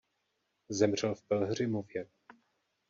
Zemřel v Pelhřimově.